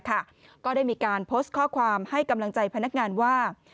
ก็ได้มีการโพสต์ข้อความให้กำลังใจพนักงานว่า